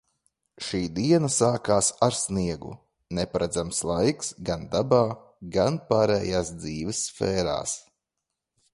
Šī diena sākās ar sniegu. Neparedzams laiks – gan dabā, gan pārējās dzīves sfērās.